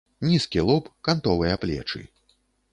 Нізкі лоб, кантовыя плечы.